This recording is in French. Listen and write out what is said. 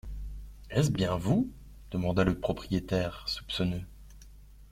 Est-ce bien vous ? demanda le propriétaire soupçonneux.